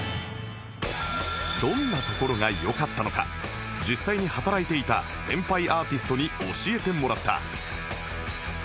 どんなところが良かったのか実際に働いていた先輩アーティストに教えてもらった